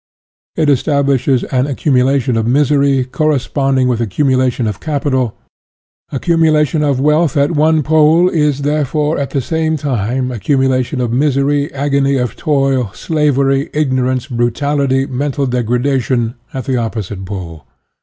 It establishes an accumulation of misery, cor responding with accumulation of capital. Accumulation of wealth at one pole is, therefore, at the same time, accumulation of misery, agony of toil, slavery, ignorance, brutality, mental degradation, at the oppo site pole, i.